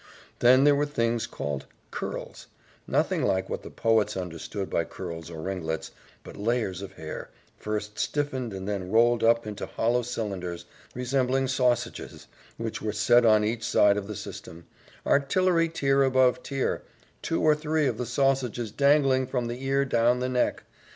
Then there were things called curls nothing like what the poets understand by curls or ringlets, but layers of hair, first stiffened and then rolled up into hollow cylinders, resembling sausages, which were set on each side of the system, "artillery tier above tier," two or three of the sausages dangling from the ear down the neck.